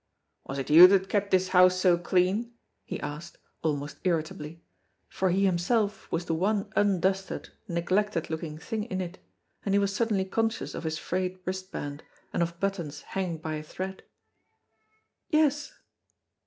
"Was it you that kept this house so clean?" he asked, almost irritably, for he himself was the one undusted, neglected looking thing in it, and he was suddenly conscious of his frayed wristband and of buttons hanging by a thread. "Yes."